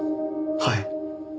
はい。